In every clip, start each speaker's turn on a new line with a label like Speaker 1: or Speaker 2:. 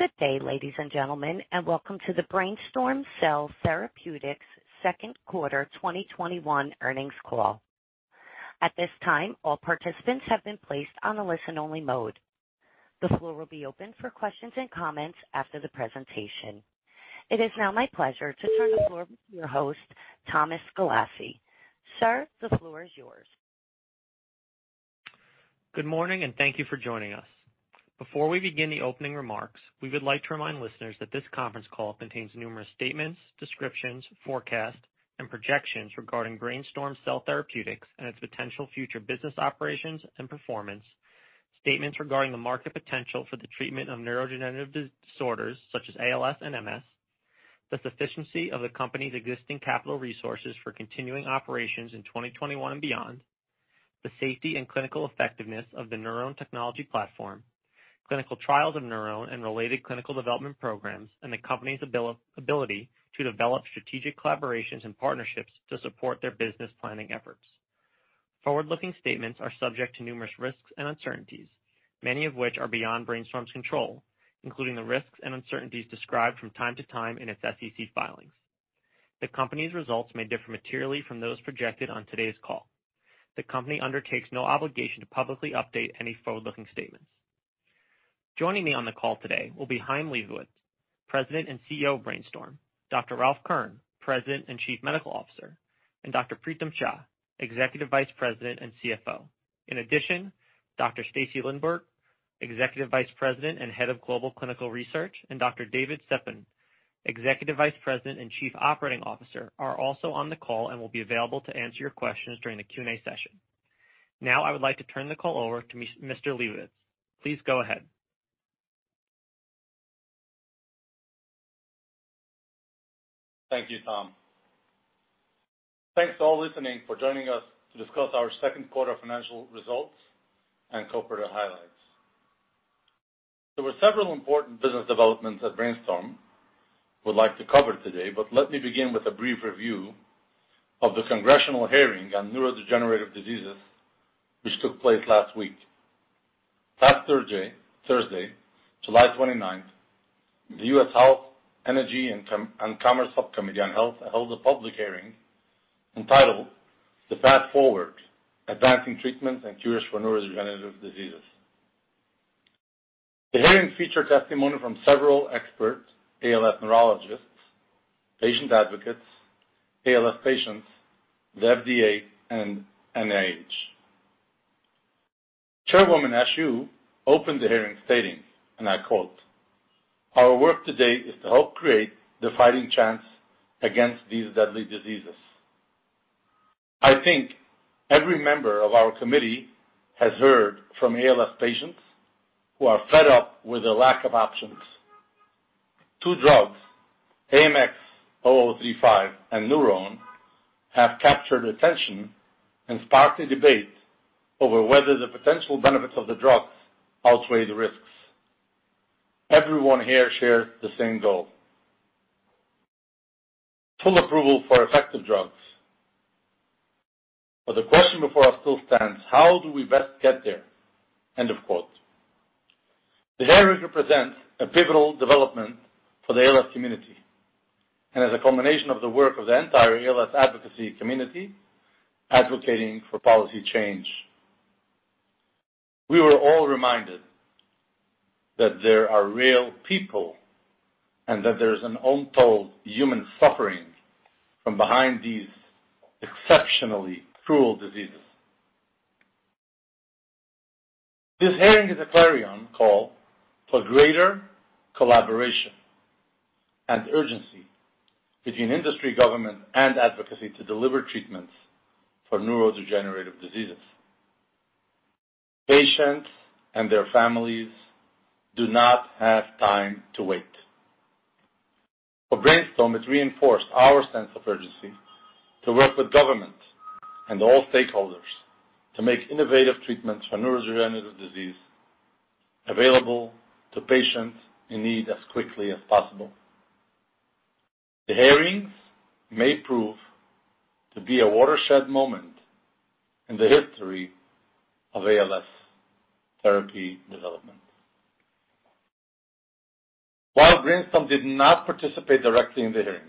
Speaker 1: Good day, ladies and gentlemen, welcome to the Brainstorm Cell Therapeutics second quarter 2021 earnings call. At this time, all participants have been placed on a listen-only mode. The floor will be open for questions and comments after the presentation. It is now my pleasure to turn the floor over to your host, Thomas Galassi. Sir, the floor is yours.
Speaker 2: Good morning, thank you for joining us. Before we begin the opening remarks, we would like to remind listeners that this conference call contains numerous statements, descriptions, forecasts, and projections regarding Brainstorm Cell Therapeutics and its potential future business operations and performance. Statements regarding the market potential for the treatment of neurodegenerative disorders such as ALS and MS, the sufficiency of the company's existing capital resources for continuing operations in 2021 and beyond, the safety and clinical effectiveness of the NurOwn technology platform, clinical trials of NurOwn and related clinical development programs, and the company's ability to develop strategic collaborations and partnerships to support their business planning efforts. Forward-looking statements are subject to numerous risks and uncertainties, many of which are beyond Brainstorm's control, including the risks and uncertainties described from time to time in its SEC filings. The company's results may differ materially from those projected on today's call. The company undertakes no obligation to publicly update any forward-looking statements. Joining me on the call today will be Chaim Lebovits, President and CEO of Brainstorm, Dr. Ralph Kern, President and Chief Medical Officer, and Dr. Preetam Shah, Executive Vice President and CFO. In addition, Dr. Stacy Lindborg, Executive Vice President and Head of Global Clinical Research, and Dr. David Setboun, Executive Vice President and Chief Operating Officer, are also on the call and will be available to answer your questions during the Q&A session. Now I would like to turn the call over to Mr. Lebovits. Please go ahead.
Speaker 3: Thank you, Tom. Thanks to all listening for joining us to discuss our second quarter financial results and corporate highlights. There were several important business developments at Brainstorm we would like to cover today, but let me begin with a brief review of the congressional hearing on neurodegenerative diseases which took place last week. Last Thursday, July 29th, the U.S. House Committee on Energy and Commerce Subcommittee on Health held a public hearing entitled The Path Forward: Advancing Treatments and Cures for Neurodegenerative Diseases. The hearing featured testimony from several experts, ALS neurologists, patient advocates, ALS patients, the FDA, and NIH. Chairwoman Eshoo opened the hearing stating, and I quote, "Our work today is to help create the fighting chance against these deadly diseases. I think every member of our committee has heard from ALS patients who are fed up with the lack of options. Two drugs, AMX0035 and NurOwn, have captured attention and sparked a debate over whether the potential benefits of the drugs outweigh the risks. Everyone here shares the same goal. Full approval for effective drugs. The question before us still stands. How do we best get there?" End of quote. The hearing represents a pivotal development for the ALS community, and as a combination of the work of the entire ALS advocacy community advocating for policy change. We were all reminded that there are real people and that there's an untold human suffering from behind these exceptionally cruel diseases. This hearing is a clarion call for greater collaboration and urgency between industry, government, and advocacy to deliver treatments for neurodegenerative diseases. Patients and their families do not have time to wait. For Brainstorm, it's reinforced our sense of urgency to work with government and all stakeholders to make innovative treatments for neurodegenerative disease available to patients in need as quickly as possible. The hearings may prove to be a watershed moment in the history of ALS therapy development. While Brainstorm did not participate directly in the hearings,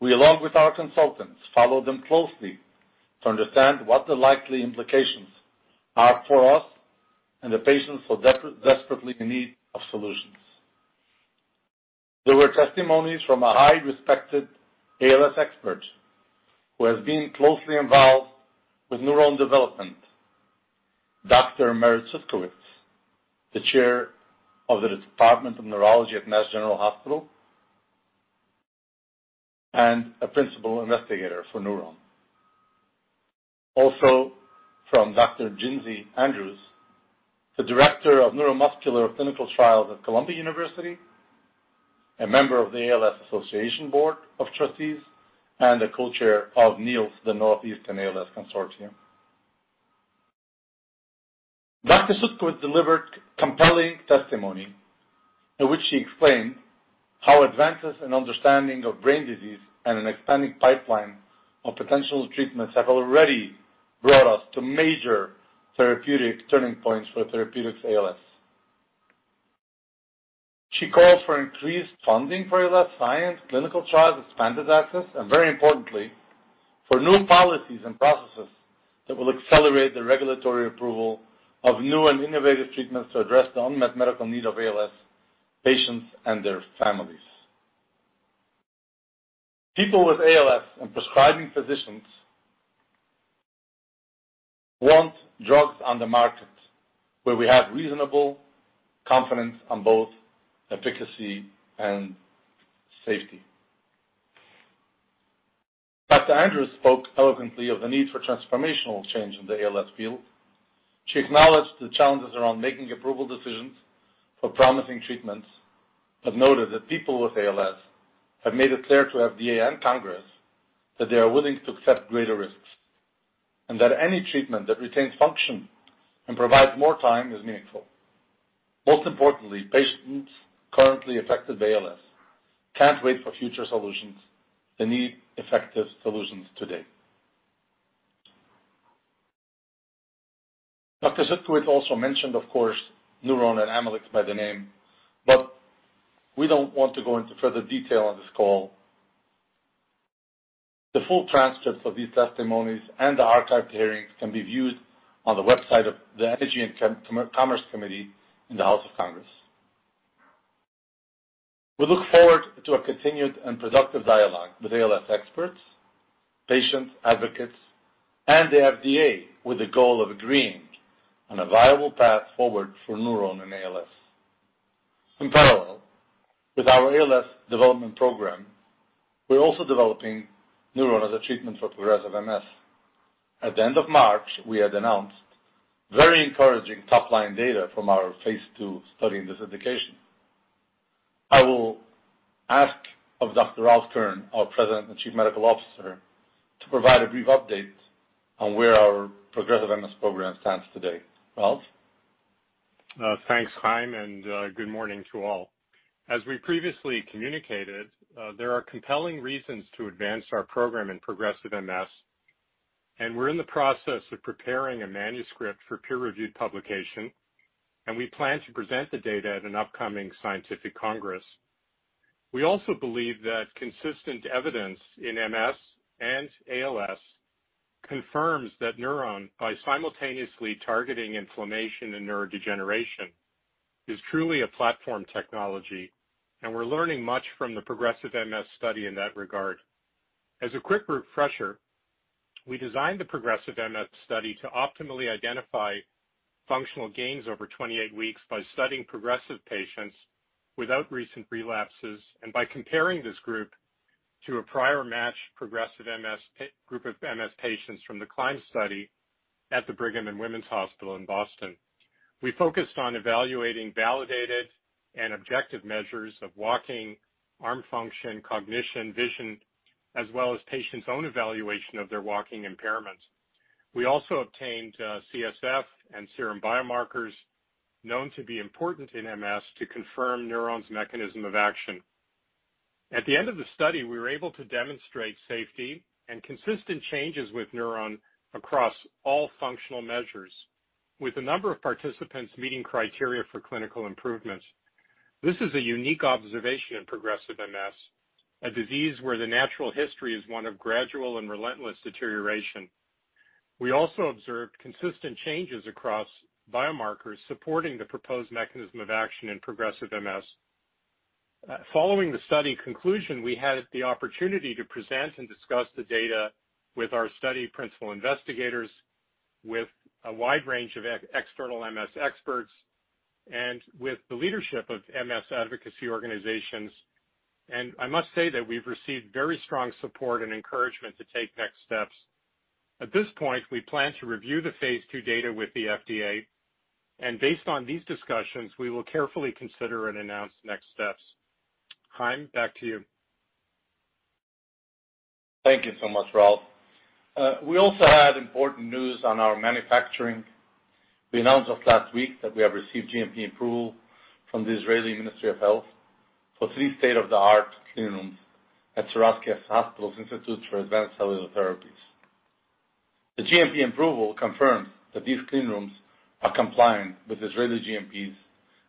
Speaker 3: we, along with our consultants, followed them closely to understand what the likely implications are for us and the patients who are desperately in need of solutions. There were testimonies from a high-respected ALS expert who has been closely involved with NurOwn development, Dr. Merit Cudkowicz, the Chair of the Department of Neurology at Mass General Hospital and a Principal Investigator for NurOwn. Also, from Dr. Jinsy Andrews, the Director of Neuromuscular Clinical Trials at Columbia University, a member of The ALS Association Board of Trustees, and the Co-Chair of NEALS, the Northeast ALS Consortium. Dr. Cudkowicz delivered compelling testimony in which she explained how advances in understanding of brain disease and an expanding pipeline of potential treatments have already brought us to major therapeutic turning points for therapeutics ALS. She called for increased funding for ALS science, clinical trials, expanded access, and very importantly, for new policies and processes that will accelerate the regulatory approval of new and innovative treatments to address the unmet medical needs of ALS patients and their families. People with ALS and prescribing physicians want drugs on the market where we have reasonable confidence on both efficacy and safety. Dr. Andrews spoke eloquently of the need for transformational change in the ALS field. She acknowledged the challenges around making approval decisions for promising treatments, noted that people with ALS have made it clear to FDA and Congress that they are willing to accept greater risks, and that any treatment that retains function and provides more time is meaningful. Most importantly, patients currently affected by ALS can't wait for future solutions. They need effective solutions today. Dr. Cudkowicz also mentioned, of course, NurOwn and Amylyx by the name, we don't want to go into further detail on this call. The full transcript of these testimonies and the archived hearings can be viewed on the website of the House Committee on Energy and Commerce. We look forward to a continued and productive dialogue with ALS experts, patients, advocates, and the FDA with the goal of agreeing on a viable path forward for NurOwn and ALS. In parallel, with our ALS development program, we're also developing NurOwn as a treatment for progressive MS. At the end of March, we had announced very encouraging top-line data from our phase II study in this indication. I will ask of Dr. Ralph Kern, our President and Chief Medical Officer, to provide a brief update on where our progressive MS program stands today. Ralph?
Speaker 4: Thanks, Chaim, and good morning to all. As we previously communicated, there are compelling reasons to advance our program in progressive MS. We're in the process of preparing a manuscript for peer-reviewed publication. We plan to present the data at an upcoming scientific congress. We also believe that consistent evidence in MS and ALS confirms that NurOwn, by simultaneously targeting inflammation and neurodegeneration, is truly a platform technology. We're learning much from the progressive MS study in that regard. As a quick refresher, we designed the progressive MS study to optimally identify functional gains over 28 weeks by studying progressive patients without recent relapses and by comparing this group to a prior matched progressive group of MS patients from the CLIMB study at the Brigham and Women's Hospital in Boston. We focused on evaluating validated and objective measures of walking, arm function, cognition, vision, as well as patients' own evaluation of their walking impairment. We also obtained CSF and serum biomarkers known to be important in MS to confirm NurOwn's mechanism of action. At the end of the study, we were able to demonstrate safety and consistent changes with NurOwn across all functional measures, with a number of participants meeting criteria for clinical improvements. This is a unique observation in progressive MS, a disease where the natural history is one of gradual and relentless deterioration. We also observed consistent changes across biomarkers supporting the proposed mechanism of action in progressive MS. Following the study conclusion, we had the opportunity to present and discuss the data with our study principal investigators, with a wide range of external MS experts, and with the leadership of MS advocacy organizations. I must say that we've received very strong support and encouragement to take next steps. At this point, we plan to review the phase two data with the FDA, and based on these discussions, we will carefully consider and announce next steps. Chaim, back to you.
Speaker 3: Thank you so much, Ralph. We also had important news on our manufacturing. We announced of last week that we have received GMP approval from the Israeli Ministry of Health for three state-of-the-art clean rooms at Sourasky Hospital's Institute for Advanced Cellular Therapies. The GMP approval confirms that these clean rooms are compliant with Israeli GMPs,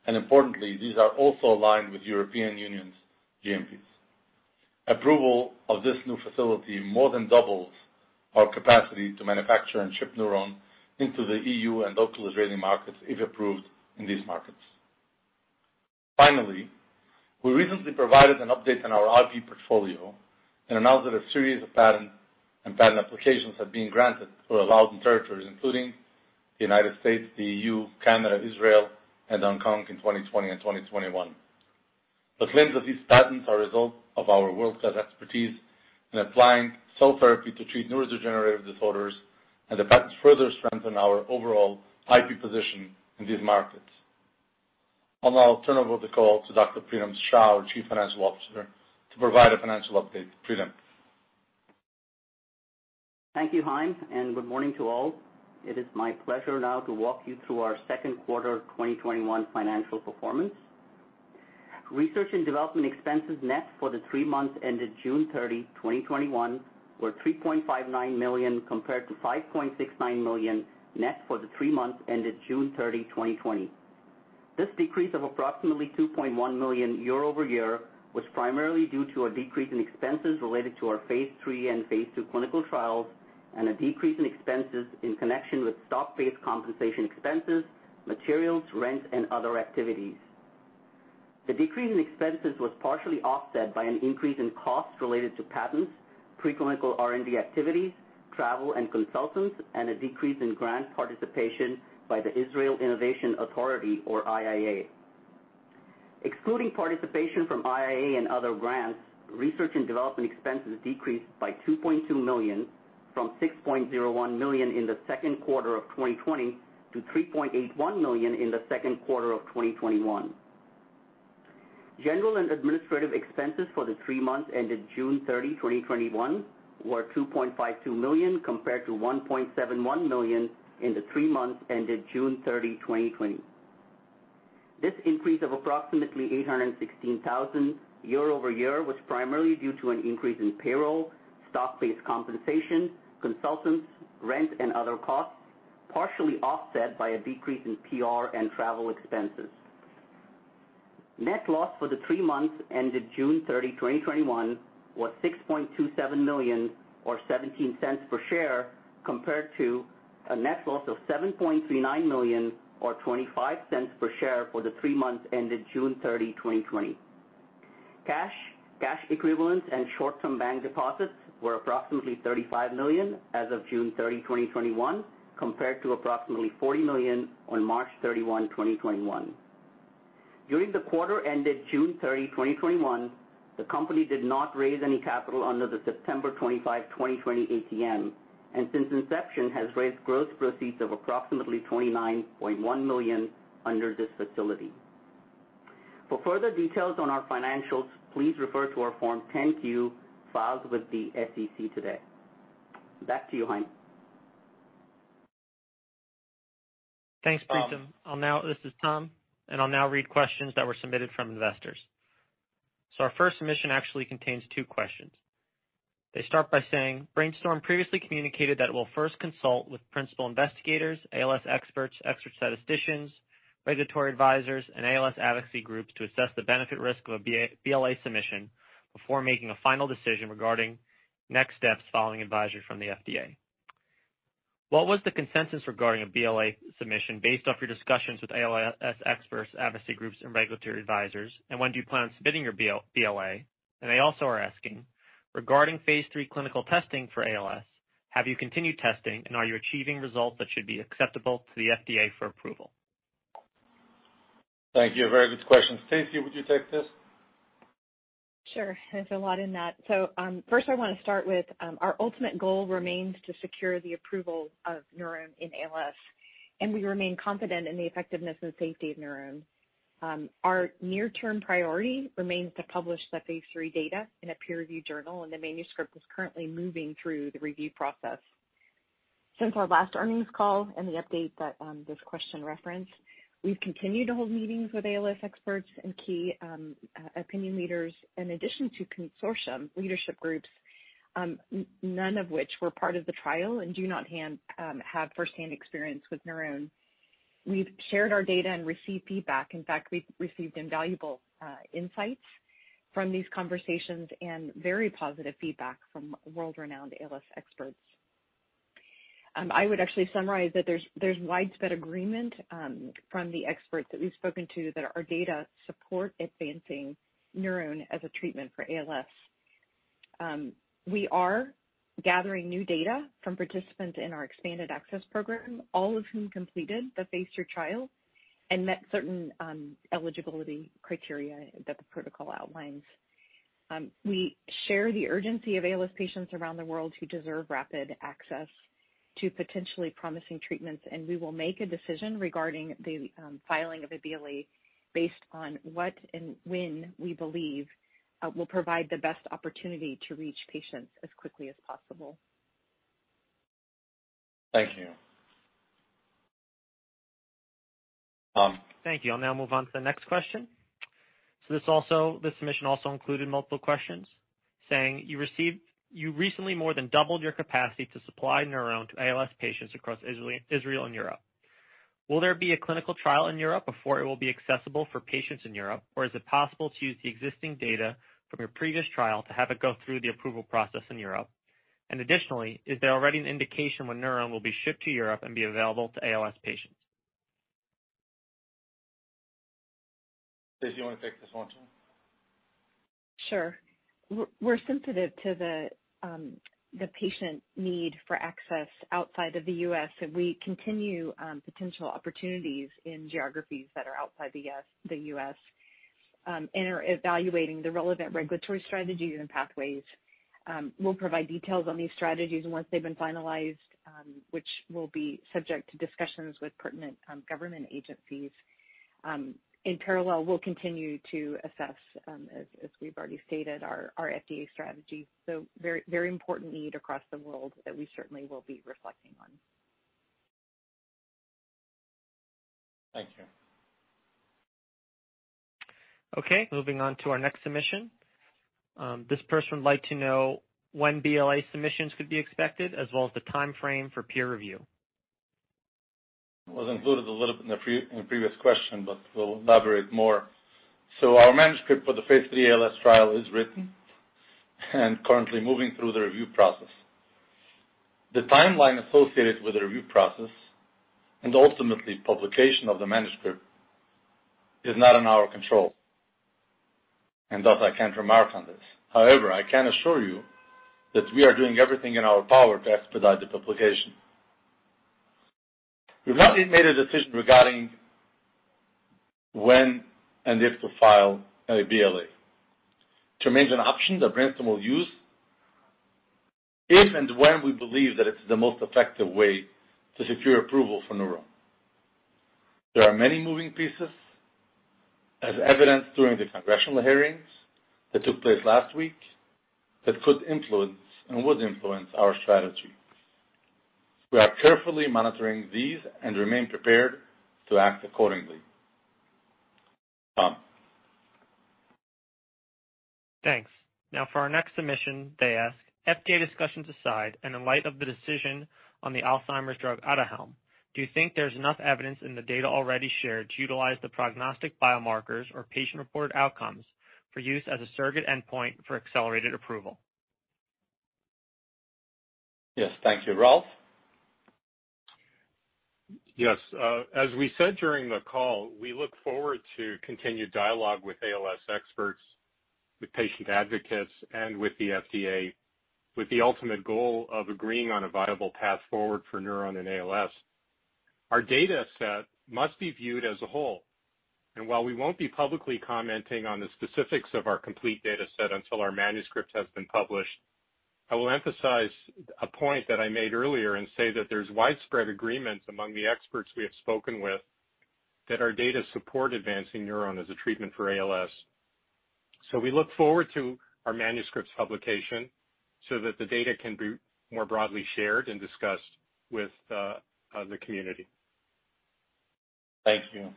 Speaker 3: and importantly, these are also aligned with European Union's GMPs. Approval of this new facility more than doubles our capacity to manufacture and ship NurOwn into the EU and local Israeli markets if approved in these markets. Finally, we recently provided an update on our IP portfolio and announced that a series of patent and patent applications have been granted for allowed in territories including the U.S., the EU, Canada, Israel, and Hong Kong in 2020 and 2021. The claims of these patents are a result of our world-class expertise in applying cell therapy to treat neurodegenerative disorders, and the patents further strengthen our overall IP position in these markets. I'll now turn over the call to Dr. Preetam Shah, our Chief Financial Officer, to provide a financial update. Prem?
Speaker 5: Thank you, Chaim, good morning to all. It is my pleasure now to walk you through our second quarter 2021 financial performance. Research and development expenses net for the three months ended June 30, 2021, were $3.59 million, compared to $5.69 million net for the three months ended June 30, 2020. This decrease of approximately $2.1 million year-over-year was primarily due to a decrease in expenses related to our phase three and phase two clinical trials and a decrease in expenses in connection with stock-based compensation expenses, materials, rent, and other activities. The decrease in expenses was partially offset by an increase in costs related to patents, preclinical R&D activities, travel and consultants, and a decrease in grant participation by the Israel Innovation Authority, or IIA. Excluding participation from IIA and other grants, research and development expenses decreased by $2.2 million from $6.01 million in the second quarter of 2020 to $3.81 million in the second quarter of 2021. General and administrative expenses for the three months ended June 30, 2021, were $2.52 million, compared to $1.71 million in the three months ended June 30, 2020. This increase of approximately $816,000 year-over-year was primarily due to an increase in payroll, stock-based compensation, consultants, rent, and other costs, partially offset by a decrease in PR and travel expenses. Net loss for the three months ended June 30, 2021, was $6.27 million, or $0.17 per share, compared to a net loss of $7.39 million, or $0.25 per share for the three months ended June 30, 2020. Cash, cash equivalents, and short-term bank deposits were approximately $35 million as of June 30, 2021, compared to approximately $40 million on March 31, 2021. During the quarter ended June 30, 2021, the company did not raise any capital under the September 25, 2020 ATM, and since inception has raised gross proceeds of approximately $29.1 million under this facility. For further details on our financials, please refer to our Form 10-Q filed with the SEC today. Back to you, Chaim Lebovits.
Speaker 2: Thanks, Preetam. This is Tom, and I'll now read questions that were submitted from investors. Our first submission actually contains two questions. They start by saying, "Brainstorm previously communicated that it will first consult with principal investigators, ALS experts, expert statisticians, regulatory advisors, and ALS advocacy groups to assess the benefit risk of a BLA submission before making a final decision regarding next steps following advisory from the FDA. What was the consensus regarding a BLA submission based off your discussions with ALS experts, advocacy groups, and regulatory advisors, and when do you plan on submitting your BLA?" They also are asking, "Regarding phase three clinical testing for ALS, have you continued testing, and are you achieving results that should be acceptable to the FDA for approval?
Speaker 3: Thank you. Very good questions. Stacy, would you take this?
Speaker 6: Sure. There's a lot in that. First I want to start with our ultimate goal remains to secure the approval of NurOwn in ALS, and we remain confident in the effectiveness and safety of NurOwn. Our near-term priority remains to publish that phase three data in a peer review journal. The manuscript is currently moving through the review process. Since our last earnings call and the update that this question referenced, we've continued to hold meetings with ALS experts and key opinion leaders in addition to consortium leadership groups, none of which were part of the trial and do not have firsthand experience with NurOwn. We've shared our data and received feedback. In fact, we've received invaluable insights from these conversations and very positive feedback from world-renowned ALS experts. I would actually summarize that there's widespread agreement from the experts that we've spoken to that our data support advancing NurOwn as a treatment for ALS. We are gathering new data from participants in our expanded access program, all of whom completed the phase two trial and met certain eligibility criteria that the protocol outlines. We share the urgency of ALS patients around the world who deserve rapid access to potentially promising treatments, and we will make a decision regarding the filing of a BLA based on what and when we believe will provide the best opportunity to reach patients as quickly as possible.
Speaker 3: Thank you.
Speaker 2: Thank you. I'll now move on to the next question. This submission also included multiple questions saying, "You recently more than doubled your capacity to supply NurOwn to ALS patients across Israel and Europe. Will there be a clinical trial in Europe before it will be accessible for patients in Europe, or is it possible to use the existing data from your previous trial to have it go through the approval process in Europe? Additionally, is there already an indication when NurOwn will be shipped to Europe and be available to ALS patients?
Speaker 3: Stacy, you want to take this one, too?
Speaker 6: Sure. We're sensitive to the patient need for access outside of the U.S. We continue potential opportunities in geographies that are outside the U.S. and are evaluating the relevant regulatory strategies and pathways. We'll provide details on these strategies once they've been finalized, which will be subject to discussions with pertinent government agencies. In parallel, we'll continue to assess, as we've already stated, our FDA strategy. Very important need across the world that we certainly will be reflecting on.
Speaker 3: Thank you.
Speaker 2: Moving on to our next submission. This person would like to know when BLA submissions could be expected, as well as the timeframe for peer review.
Speaker 3: Was included a little bit in the previous question, but we'll elaborate more. Our manuscript for the phase three ALS trial is written and currently moving through the review process. The timeline associated with the review process and ultimately publication of the manuscript is not in our control, and thus I can't remark on this. However, I can assure you that we are doing everything in our power to expedite the publication. We've not yet made a decision regarding when and if to file a BLA. It remains an option that Brainstorm will use if and when we believe that it's the most effective way to secure approval for NurOwn. There are many moving pieces, as evidenced during the Congressional hearings that took place last week, that could influence and would influence our strategy. We are carefully monitoring these and remain prepared to act accordingly. Tom.
Speaker 2: Thanks. Now for our next submission, they ask, "FDA discussions aside, in light of the decision on the Alzheimer's drug Aduhelm, do you think there's enough evidence in the data already shared to utilize the prognostic biomarkers or patient-reported outcomes for use as a surrogate endpoint for accelerated approval?
Speaker 3: Yes. Thank you. Ralph?
Speaker 4: Yes. As we said during the call, we look forward to continued dialogue with ALS experts, with patient advocates, and with the FDA, with the ultimate goal of agreeing on a viable path forward for NurOwn and ALS. Our data set must be viewed as a whole, and while we won't be publicly commenting on the specifics of our complete data set until our manuscript has been published, I will emphasize a point that I made earlier and say that there's widespread agreement among the experts we have spoken with that our data support advancing NurOwn as a treatment for ALS. We look forward to our manuscript's publication so that the data can be more broadly shared and discussed with the community.
Speaker 3: Thank you.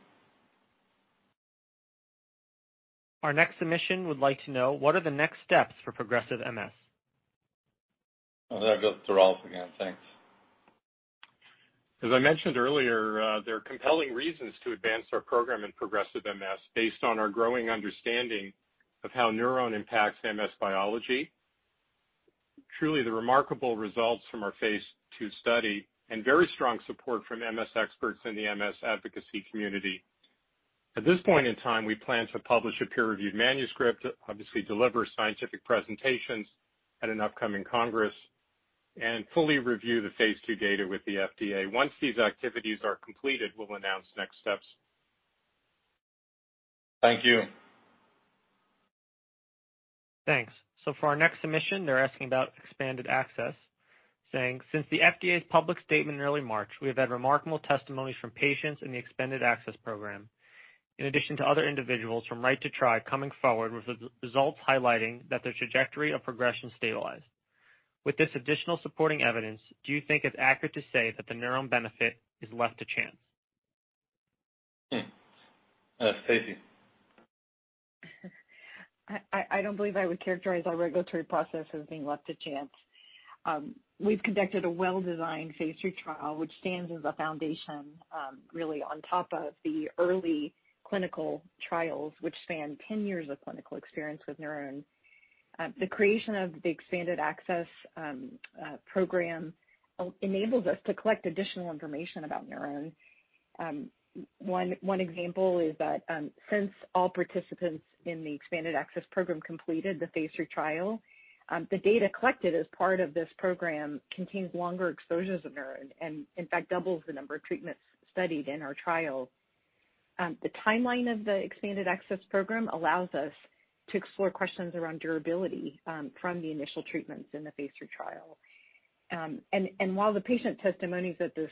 Speaker 2: Our next submission would like to know what are the next steps for progressive MS?
Speaker 3: That goes to Ralph again. Thanks.
Speaker 4: As I mentioned earlier, there are compelling reasons to advance our program in progressive MS based on our growing understanding of how NurOwn impacts MS biology. Truly the remarkable results from our phase two study and very strong support from MS experts in the MS advocacy community. At this point in time, we plan to publish a peer-reviewed manuscript, obviously deliver scientific presentations at an upcoming congress, and fully review the phase II data with the FDA. Once these activities are completed, we will announce next steps.
Speaker 3: Thank you.
Speaker 2: Thanks. For our next submission, they're asking about expanded access, saying, "Since the FDA's public statement in early March, we have had remarkable testimonies from patients in the expanded access program, in addition to other individuals from Right to Try coming forward with results highlighting that their trajectory of progression stabilized. With this additional supporting evidence, do you think it's accurate to say that the NurOwn benefit is left to chance?
Speaker 3: Stacy.
Speaker 6: I don't believe I would characterize our regulatory process as being left to chance. We've conducted a well-designed phase three trial, which stands as a foundation really on top of the early clinical trials, which span 10 years of clinical experience with NurOwn. The creation of the Expanded Access Program enables us to collect additional information about NurOwn. One example is that since all participants in the Expanded Access Program completed the phase three trial, the data collected as part of this program contains longer exposures of NurOwn, and in fact, doubles the number of treatments studied in our trial. The timeline of the Expanded Access Program allows us to explore questions around durability from the initial treatments in the phase three trial. While the patient testimonies that this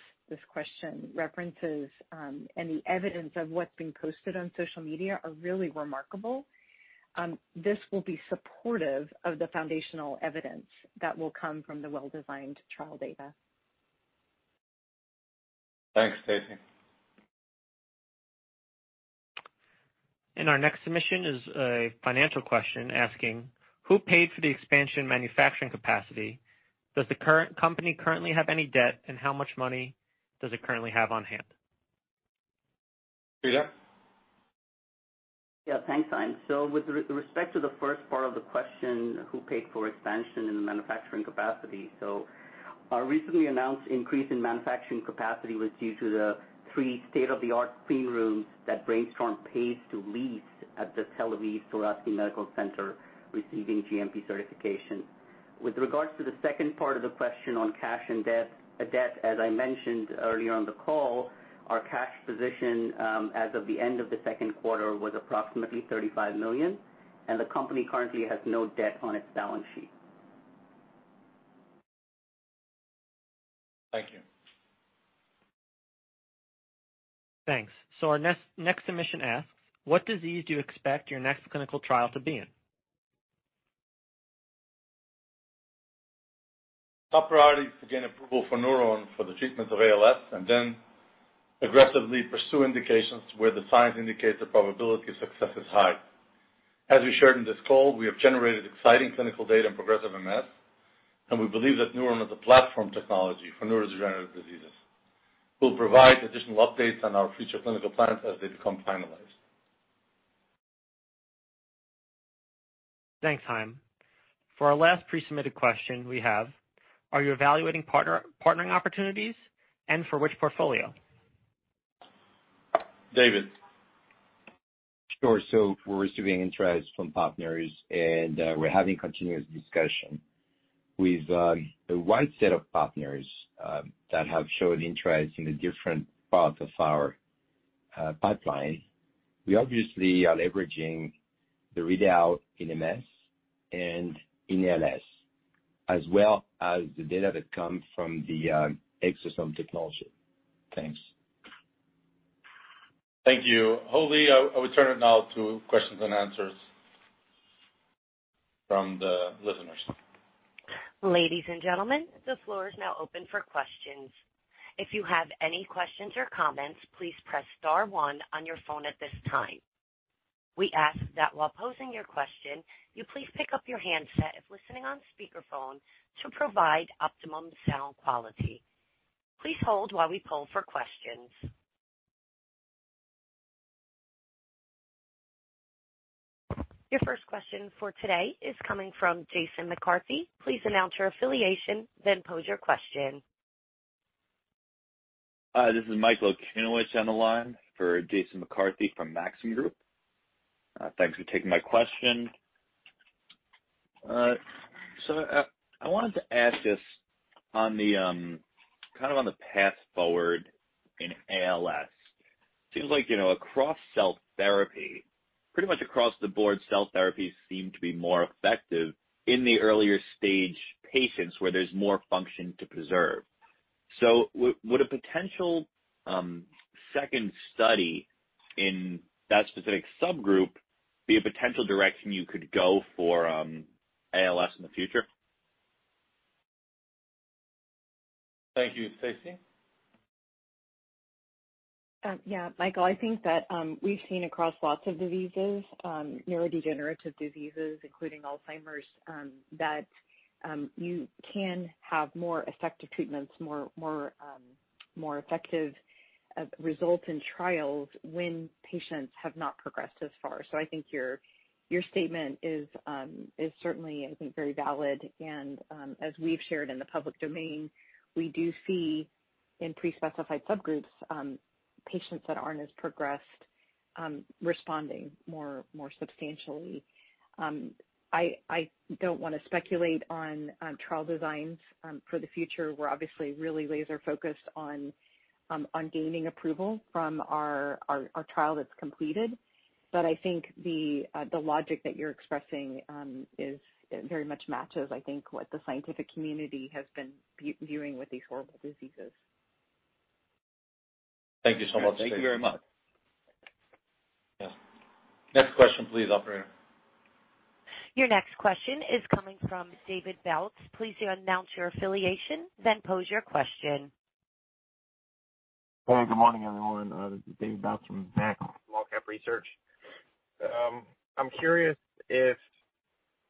Speaker 6: question references, and the evidence of what's being posted on social media are really remarkable, this will be supportive of the foundational evidence that will come from the well-designed trial data.
Speaker 3: Thanks, Stacy.
Speaker 2: Our next submission is a financial question asking, "Who paid for the expansion manufacturing capacity? Does the company currently have any debt, and how much money does it currently have on hand?
Speaker 3: Peter?
Speaker 5: Yeah, thanks, Brian. With respect to the first part of the question, who paid for expansion in the manufacturing capacity. Our recently announced increase in manufacturing capacity was due to the three state-of-the-art clean rooms that Brainstorm pays to lease at the Tel Aviv Sourasky Medical Center receiving GMP certification. With regards to the second part of the question on cash and debt. As I mentioned earlier on the call, our cash position as of the end of the second quarter was approximately $35 million, and the company currently has no debt on its balance sheet.
Speaker 3: Thank you.
Speaker 2: Thanks. Our next submission asks, what disease do you expect your next clinical trial to be in?
Speaker 3: Top priority is to gain approval for NurOwn for the treatment of ALS and then aggressively pursue indications where the science indicates the probability of success is high. As we shared in this call, we have generated exciting clinical data in progressive MS, and we believe that NurOwn is a platform technology for neurodegenerative diseases. We'll provide additional updates on our future clinical plans as they become finalized.
Speaker 2: Thanks, Chaim. For our last pre-submitted question we have: Are you evaluating partnering opportunities, and for which portfolio?
Speaker 3: David.
Speaker 7: Sure. We're receiving interest from partners, and we're having continuous discussion with the wide set of partners that have shown interest in the different parts of our pipeline. We obviously are leveraging the readout in MS and in ALS, as well as the data that come from the exosome technology. Thanks.
Speaker 3: Thank you. Holly, I will turn it now to questions and answers from the listeners.
Speaker 1: Ladies and gentlemen, the floor is now open for questions. If you have any questions or comments, please press star one on your phone at this time. We ask that while posing your question, you please pick up your handset if listening on speakerphone to provide optimum sound quality. Please hold while we poll for questions. Your first question for today is coming from Jason McCarthy. Please announce your affiliation, then pose your question.
Speaker 8: Hi, this is Michael Okunewitch on the line for Jason McCarthy from Maxim Group. Thanks for taking my question. I wanted to ask just on the path forward in ALS. Seems like, across cell therapy, pretty much across the board, cell therapies seem to be more effective in the earlier stage patients where there's more function to preserve. Would a potential second study in that specific subgroup be a potential direction you could go for ALS in the future?
Speaker 3: Thank you. Stacy?
Speaker 6: Yeah, Michael, I think that we've seen across lots of diseases, neurodegenerative diseases, including Alzheimer's, that you can have more effective treatments, more effective results in trials when patients have not progressed as far. I think your statement is certainly, I think, very valid and as we've shared in the public domain, we do see in pre-specified subgroups, patients that aren't as progressed responding more substantially. I don't want to speculate on trial designs for the future. We're obviously really laser-focused on gaining approval from our trial that's completed. I think the logic that you're expressing very much matches, I think, what the scientific community has been viewing with these horrible diseases.
Speaker 8: Thank you very much.
Speaker 3: Yeah. Next question please, operator.
Speaker 1: Your next question is coming from David Bautz. Please announce your affiliation, then pose your question.
Speaker 9: Hey, good morning, everyone. This is David Bautz from BofA Securities Capital Research. I'm curious if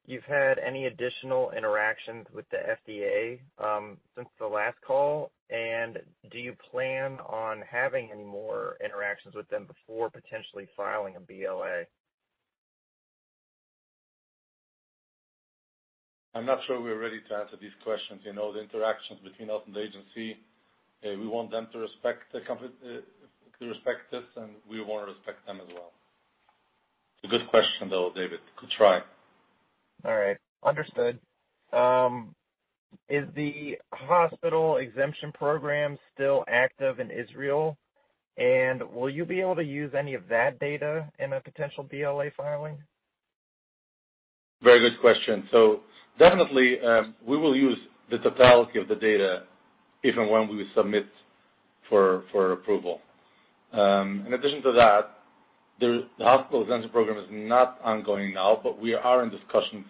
Speaker 9: you've had any additional interactions with the FDA since the last call, and do you plan on having any more interactions with them before potentially filing a BLA?
Speaker 3: I'm not sure we're ready to answer these questions. The interactions between us and the agency, we want them to respect us, and we want to respect them as well. It's a good question, though, David. Good try.
Speaker 9: All right. Understood. Is the hospital exemption program still active in Israel? Will you be able to use any of that data in a potential BLA filing?
Speaker 3: Very good question. Definitely, we will use the totality of the data if and when we submit for approval. In addition to that, the hospital exemption program is not ongoing now, but we are in discussions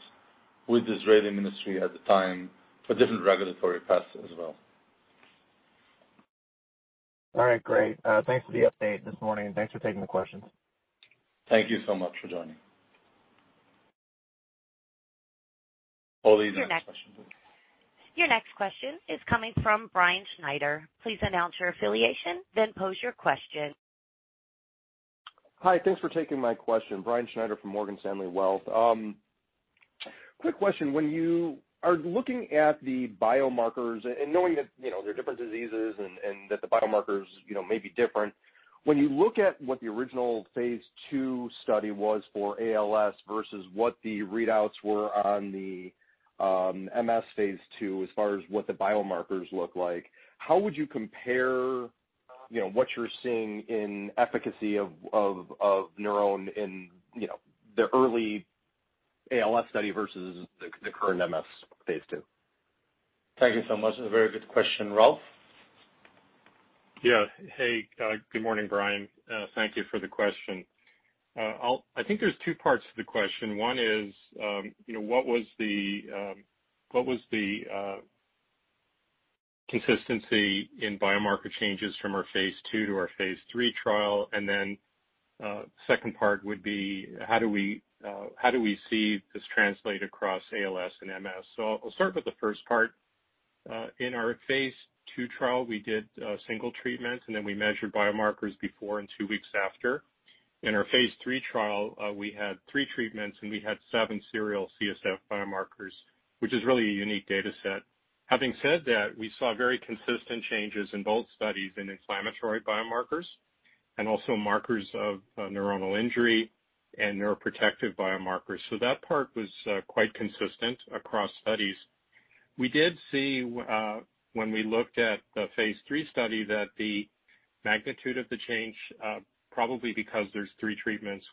Speaker 3: with the Israeli Ministry at the time for different regulatory paths as well.
Speaker 9: All right. Great. Thanks for the update this morning, and thanks for taking the questions.
Speaker 3: Thank you so much for joining. Holly, next question please.
Speaker 1: Your next question is coming from Brian Schneider. Please announce your affiliation, then pose your question.
Speaker 10: Hi, thanks for taking my question. Brian Schneider from Morgan Stanley Wealth. Quick question: When you are looking at the biomarkers and knowing that they're different diseases and that the biomarkers may be different. When you look at what the original phase two study was for ALS versus what the readouts were on the MS phase two, as far as what the biomarkers look like, how would you compare what you're seeing in efficacy of NurOwn in the early ALS study versus the current MS phase two?
Speaker 3: Thank you so much. A very good question. Ralph?
Speaker 4: Yeah. Hey, good morning, Brian. Thank you for the question. I think there's two parts to the question. One is, what was the consistency in biomarker changes from our phase two to our phase three trial? 2nd part would be, how do we see this translate across ALS and MS? I'll start with the 1st part. In our phase two trial, we did single treatments, and then we measured biomarkers before and 2 weeks after. In our phase III trial, we had three treatments, and we had seven serial CSF biomarkers, which is really a unique data set. Having said that, we saw very consistent changes in both studies in inflammatory biomarkers and also markers of neuronal injury and neuroprotective biomarkers. That part was quite consistent across studies. We did see, when we looked at the phase three study, that the magnitude of the change, probably because there's three treatments,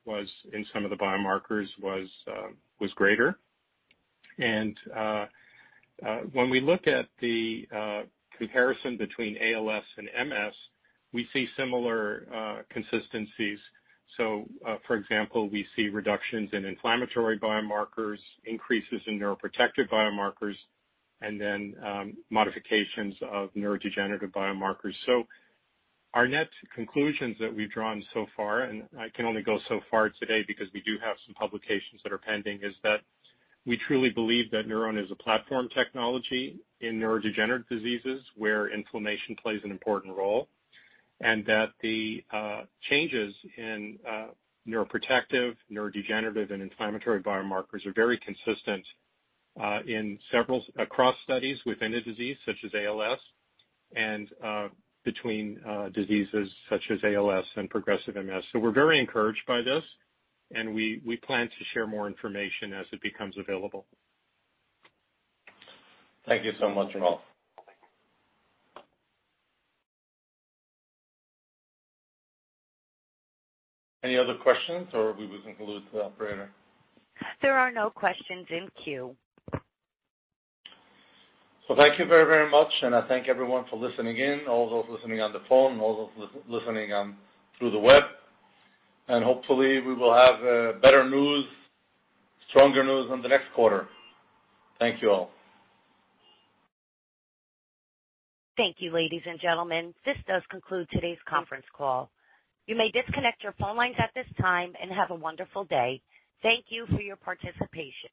Speaker 4: in some of the biomarkers was greater. When we look at the comparison between ALS and MS, we see similar consistencies. For example, we see reductions in inflammatory biomarkers, increases in neuroprotective biomarkers, and then modifications of neurodegenerative biomarkers. Our net conclusions that we've drawn so far, and I can only go so far today because we do have some publications that are pending, is that we truly believe that NurOwn is a platform technology in neurodegenerative diseases where inflammation plays an important role, and that the changes in neuroprotective, neurodegenerative, and inflammatory biomarkers are very consistent across studies within a disease such as ALS and between diseases such as ALS and progressive MS. We're very encouraged by this, and we plan to share more information as it becomes available.
Speaker 3: Thank you so much, Ralph. Any other questions, or are we concluded, operator?
Speaker 1: There are no questions in queue.
Speaker 3: Thank you very much, and I thank everyone for listening in, all those listening on the phone, all those listening through the web. Hopefully, we will have better news, stronger news on the next quarter. Thank you all.
Speaker 1: Thank you, ladies and gentlemen. This does conclude today's conference call. You may disconnect your phone lines at this time, and have a wonderful day. Thank you for your participation.